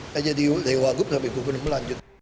ya jadi dari wagub sampai gubernur melanjut